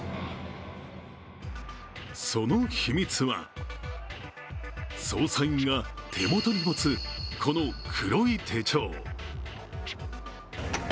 その秘密は、捜査員が手元に持つ、この黒い手帳